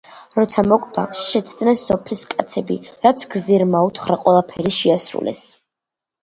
როცა მოკვდა, შეცდნენ სოფლის კაცები და რაც გზირმა უთხრა, ყველაფერი შეასრულეს.